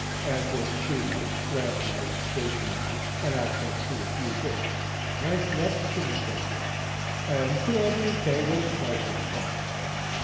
and for the studious, lamplight, stationery, and access to a few books, rank next to necessaries, and can all be obtained at a trifling cost.